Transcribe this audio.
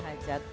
ya sohibul hajat